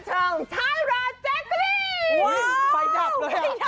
จราหญิง